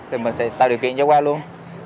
thì mình sẽ tạo điều kiện cho qua luôn